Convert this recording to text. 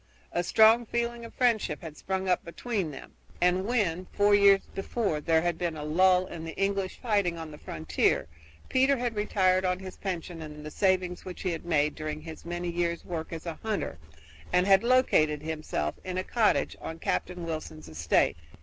A strong feeling of friendship had sprung up between them, and when, four years before, there had been a lull in the English fighting on the frontier, Peter had retired on his pension and the savings which he had made during his many years' work as a hunter, and had located himself in a cottage on Captain Wilson's estate.